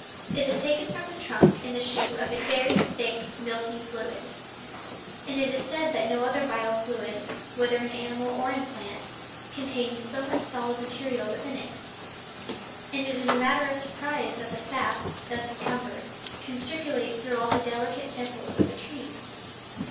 It is taken from the trunk in the shape of a very thick milky fluid, and it is said that no other vital fluid, whether in animal or in plant, contains so much solid material within it; and it is a matter of surprise that the sap, thus encumbered, can circulate through all the delicate vessels of the tree.